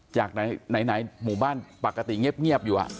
จากไหนหมู่บ้านปกติเงียบอยู่